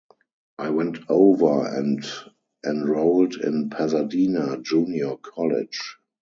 'I went over and enrolled in Pasadena Junior College.